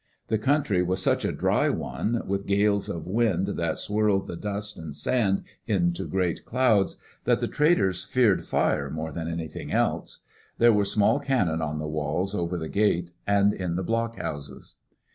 The country was such a dry one, with gales of wind that swirled the dust and sand into great clouds, that the traders feared fire more than anything else. There were small cannon on the walls, over the gate, and in the blockhouses.